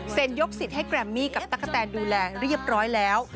ยกสิทธิ์ให้แกรมมี่กับตั๊กกะแตนดูแลเรียบร้อยแล้ว